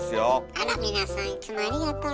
あら皆さんいつもありがとうね。